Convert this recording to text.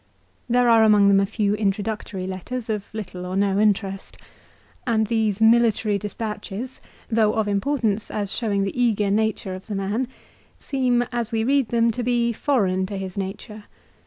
There are among them a few introductory letters of little or no interest. And these military despatches, though of importance as showing the eager nature of the man, seem as we read them to be foreign to his nature.